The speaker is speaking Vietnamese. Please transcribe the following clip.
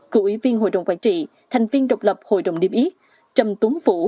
cựu ủy viên hội đồng quản trị thành viên độc lập hội đồng niêm yết trầm tuấn vũ